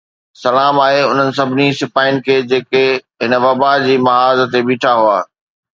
سلام آهي انهن سڀني سپاهين کي جيڪي هن وبا جي محاذ تي بيٺا هئا